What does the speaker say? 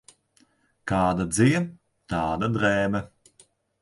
Kāda dzija, tāda drēbe.